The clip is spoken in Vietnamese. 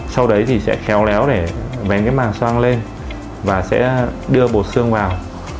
sau đấy thì sẽ khéo léo để vén cái màng song lên và sẽ đưa bột xương vào